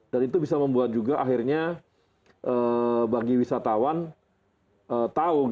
dan itu bisa membuat juga akhirnya bagi wisatawan tahu